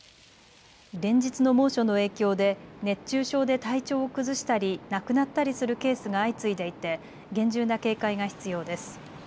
連日の猛暑の影響で熱中症で体調を崩したり亡くなったりするケースが相次いでいて厳重な警戒が必要です。